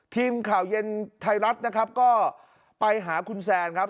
ทีมข่าวเย็นไทยรัฐนะครับก็ไปหาคุณแซนครับ